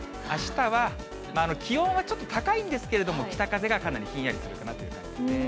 あしたは気温はちょっと高いんですけども、北風がかなりひんやりするような感じですね。